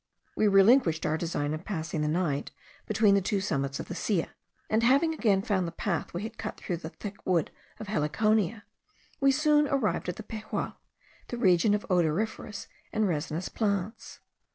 We relinquished our design of passing the night between the two summits of the Silla, and having again found the path we had cut through the thick wood of heliconia, we soon arrived at the Pejual, the region of odoriferous and resinous plants.